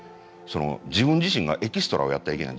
自分自身がエキストラをやってはいけない。